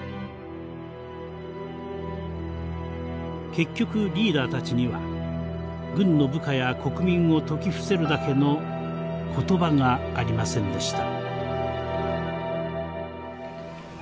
結局リーダーたちには軍の部下や国民を説き伏せるだけの言葉がありませんでした。